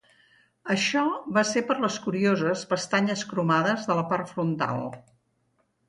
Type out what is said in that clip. Això va ser per les curioses "pestanyes" cromades de la part frontal.